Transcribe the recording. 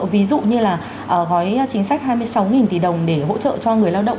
ví dụ như là gói chính sách hai mươi sáu tỷ đồng để hỗ trợ cho người lao động